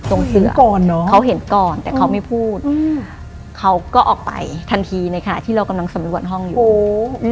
ตรงเสื้อเขาเห็นก่อนแต่เขาไม่พูดเขาก็ออกไปทันทีในขณะที่เรากำลังสมรวจห้องอยู่